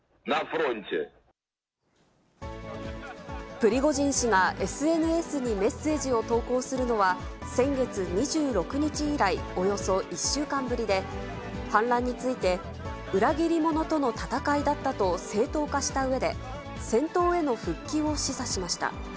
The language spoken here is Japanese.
プリゴジン氏がＳＮＳにメッセージを投稿するのは、先月２６日以来およそ１週間ぶりで、反乱について、裏切り者との戦いだったと正当化したうえで、戦闘への復帰を示唆しました。